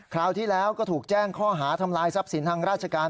คราวที่แล้วก็ถูกแจ้งข้อหาทำลายทรัพย์สินทางราชการ